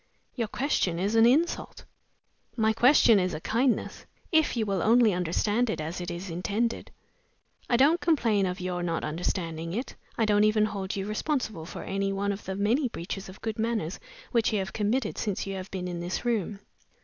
"Your question is an insult." "My question is a kindness, if you will only understand it as it is intended. I don't complain of your not understanding it. I don't even hold you responsible for any one of the many breaches of good manners which you have committed since you have been in this room.